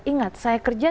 ingat saya kerja